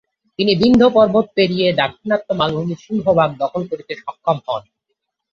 তিনি বিন্ধ্য পর্বত পেরিয়ে দাক্ষিণাত্য মালভূমির সিংহভাগ দখল করতে সক্ষম হন।